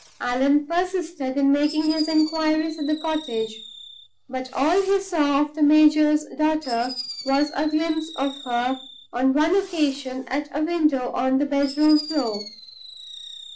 Allan persisted in making his inquiries at the cottage; but all he saw of the major's daughter was a glimpse of her on one occasion at a window on the bedroom floor.